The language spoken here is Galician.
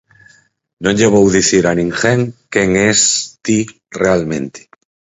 Non lle vou dicir a ninguén quen es ti realmente.